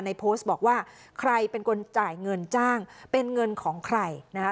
โพสต์บอกว่าใครเป็นคนจ่ายเงินจ้างเป็นเงินของใครนะคะ